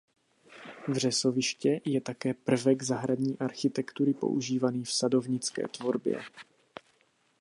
Vřesoviště je také prvek zahradní architektury používaný v sadovnické tvorbě.